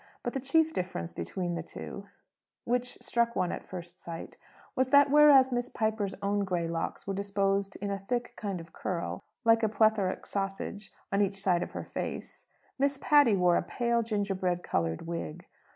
But the chief difference between the two, which struck one at first sight, was that whereas Miss Piper's own grey locks were disposed in a thick kind of curl, like a plethoric sausage, on each side of her face, Miss Patty wore a pale, gingerbread coloured wig.